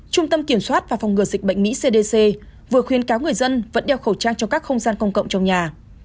trung tâm kiểm soát và phòng ngừa dịch bệnh mỹ vừa khuyên cáo người dân vẫn đeo khẩu trang cho các không gian công cộng trong nhà